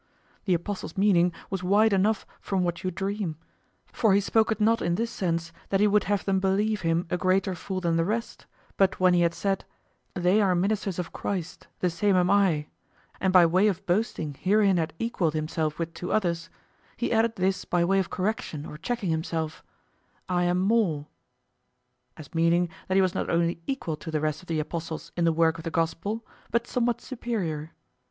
The apostle's meaning was wide enough from what you dream; for he spoke it not in this sense, that he would have them believe him a greater fool than the rest, but when he had said, "They are ministers of Christ, the same am I," and by way of boasting herein had equaled himself with to others, he added this by way of correction or checking himself, "I am more," as meaning that he was not only equal to the rest of the apostles in the work of the Gospel, but somewhat superior.